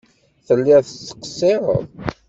Telliḍ tettqeṣṣireḍ.